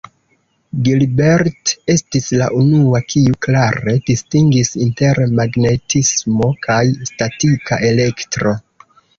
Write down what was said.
Gilbert estis la unua kiu klare distingis inter magnetismo kaj statika elektro.